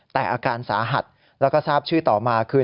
แต่อาการสาหัสแล้วก็ทราบชื่อต่อมาคือ